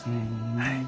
はい。